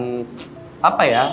bahan apa ya